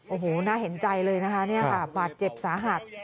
โอ้โหน่าเห็นใจเลยนะคะบาดเจ็บสาหัส